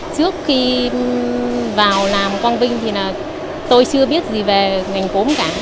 trước khi vào làm quang vinh thì là tôi chưa biết gì về ngành cốm cả